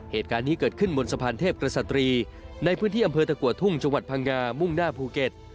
เหตุการณ์นี้เกิดขึ้นบนสะพานเทพกษตรีในพื้นที่อำเภอตะกัวทุ่งจังหวัดพังงามุ่งหน้าภูเก็ต